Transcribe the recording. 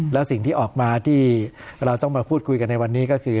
แล้วสิ่งที่ออกมาที่เราต้องมาพูดคุยกันในวันนี้ก็คือ